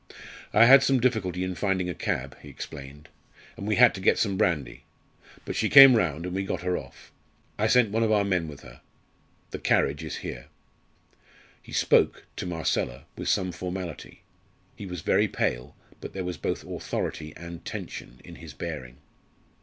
"I had some difficulty in finding a cab," he explained, "and we had to get some brandy; but she came round, and we got her off. I sent one of our men with her. The carriage is here." He spoke to Marcella with some formality. He was very pale, but there was both authority and tension in his bearing.